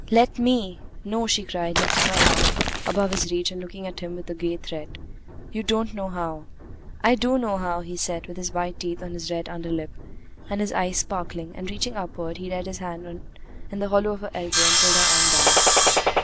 "Let me!" "No!" she cried, lifting her arm above his reach and looking at him with a gay threat. "You don't know how." "I do know how," he said, with his white teeth on his red underlip, and his eyes sparkling; and reaching upward, he laid his hand in the hollow of her elbow and pulled her arm down.